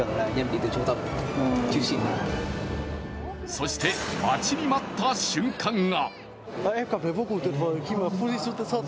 そして、待ちに待った瞬間が。